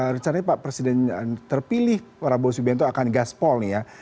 rencananya pak presiden terpilih prabowo subianto akan gaspol nih ya